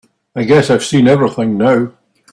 I guess I've seen everything now.